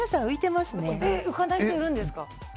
浮かない人いるんですか？